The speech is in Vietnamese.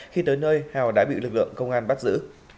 khi tới nơi hào đã bị lực lượng công an bắt giữ